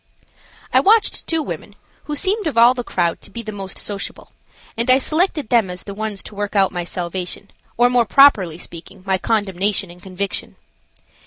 I watched two women, who seemed of all the crowd to be the most sociable, and I selected them as the ones to work out my salvation, or, more properly speaking, my condemnation and conviction.